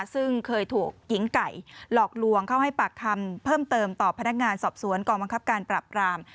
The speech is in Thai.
ซึ่งเคยถูกหญิงไก่หลอกลวงเข้าให้ปากคำเพิ่มเติมต่อพนักงานสอบสวนกองบังคับการปราบราม